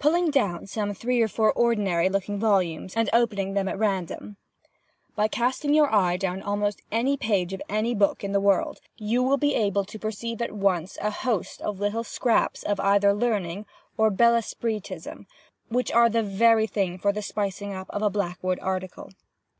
(pulling down some three or four ordinary looking volumes, and opening them at random). "By casting your eye down almost any page of any book in the world, you will be able to perceive at once a host of little scraps of either learning or bel esprit ism, which are the very thing for the spicing of a Blackwood article.